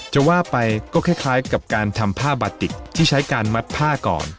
จะว่าไปก็คล้ายกับการทำผ้าบาติกที่ใช้การมัดผ้าก่อน